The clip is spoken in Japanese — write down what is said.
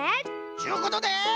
ちゅうことで！